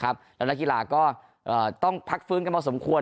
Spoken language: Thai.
แล้วนักกีฬาก็ต้องพักฟื้นกันพอสมควร